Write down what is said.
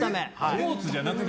スポーツじゃなくて？